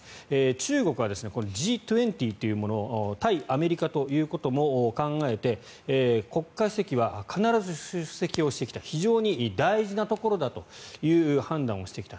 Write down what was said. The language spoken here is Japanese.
中国はＧ２０というものを対アメリカということも考えて国家主席は必ず出席をしてきた非常に大事なところだという判断をしてきた。